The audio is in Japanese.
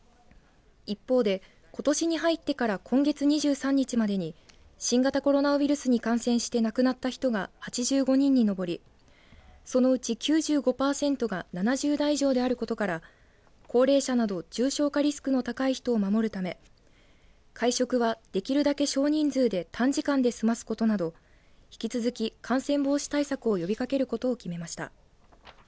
一方で、ことしに入ってから今月２３日までに新型コロナウイルスに感染して亡くなった人が８５人に上りそのうち９５パーセントが７０代以上であることから高齢者など重症化リスクの高い人を守るため会食はできるだけ少人数で短時間で済ますことなど引き続き、感染防止対策を呼びかけることを決めました。